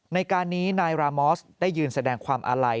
ในการนี้นายรามอสได้ยืนแสดงความอาลัย